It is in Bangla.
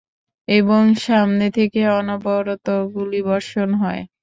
এবং সামনে থেকে অনবরত গুলিবর্ষণ হয়।